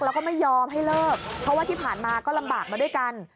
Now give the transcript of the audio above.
แล้วก็ไม่ยอมให้เลิกเพราะว่าที่ผ่านมาก็ลำบากมาด้วยกัน